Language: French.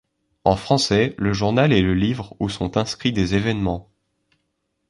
En français, le journal est le livre où sont inscrits des événements.